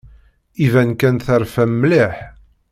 Iban kan terfam mliḥ.